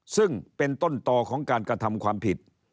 ซึ่งเป็นต้นต่อของการกระทำความผิด